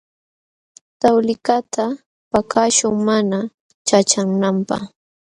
Tawlikaqta paqaśhun mana ćhaqćhananpaq.